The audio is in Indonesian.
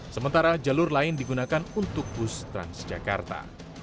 sementara jalur lain digunakan untuk bus transjakarta